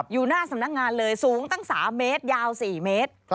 อยู่หน้าสำนักงานเลยสูงตั้ง๓เมตรยาว๔เมตร